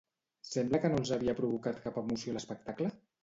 Sembla que no els havia provocat cap emoció l'espectacle?